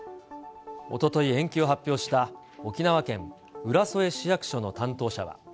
おととい、延期を発表した沖縄県浦添市役所の担当者は。